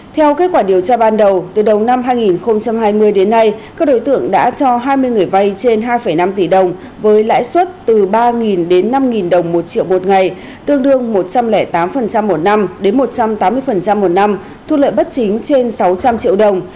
theo kết quả điều tra ban đầu từ đầu năm hai nghìn hai mươi đến nay các đối tượng đã cho hai mươi người vay trên hai năm tỷ đồng với lãi suất từ ba đến năm đồng một triệu một ngày tương đương một trăm linh tám một năm đến một trăm tám mươi một năm thu lợi bất chính trên sáu trăm linh triệu đồng